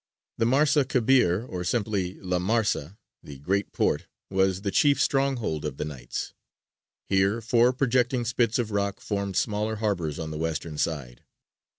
The Marsa Kebir, or simply La Marsa, the "Great Port," was the chief stronghold of the Knights. Here four projecting spits of rock formed smaller harbours on the western side.